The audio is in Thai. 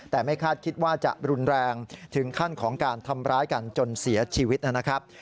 แต่ไม่คาดคิดว่าจะรุนแรงถึงขั้นของการทำร้ายกันจนเสียชีวิตนะครับ